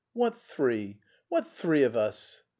"What three? What three of us?"